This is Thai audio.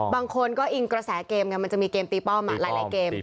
บางคนก็อิงกระแสเกมไงมันจะมีเกมตีป้อมหลายเกม